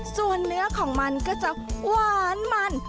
ส่วนเนื้อของมันก็จะหวานมัน